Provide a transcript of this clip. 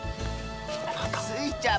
スイちゃん